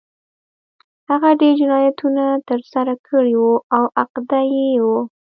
هغه ډېر جنایتونه ترسره کړي وو او عقده اي و